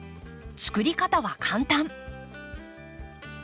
作り方は簡単。